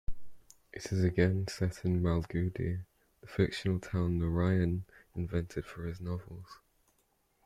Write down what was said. It is again set in Malgudi, the fictional town Narayan invented for his novels.